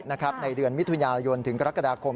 ในเดือนมิถุนายนถึงกรกฎาคม